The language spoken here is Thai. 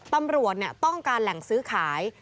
ตำรวจต้องการแหล่งซื้อขาย